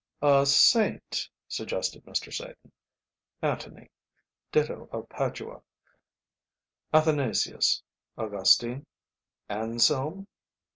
"A Saint?" suggested Mr. Satan, "Antony, Ditto of Padua, Athanasius, Augustine, Anselm?"